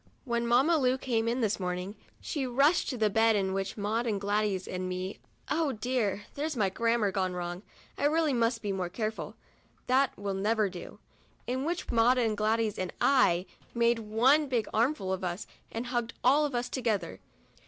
When Mamma Lu came in this morning, she rushed to the bed in which were Maud and Gladys and me (oh dear ! there's my grammar wrong! I really must be more careful; that will never do) — in which were Maud and Gladys and I, made one big armful of us, and hugged all of us together.